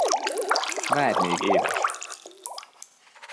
Várj még, édes.